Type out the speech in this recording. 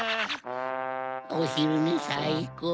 おひるねさいこう。